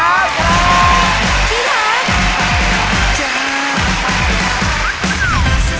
สวัสดีครับ